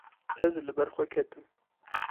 Ez li ber xwe ketim.